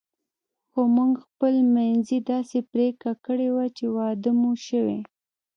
خو موږ خپل منځي داسې پرېکړه کړې وه چې واده مو شوی.